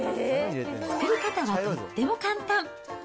作り方はとっても簡単。